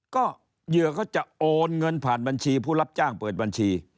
ก็เหยื่อก็จะโอนเงินผ่านบัญชีผู้รับจ้างเปิดบัญชี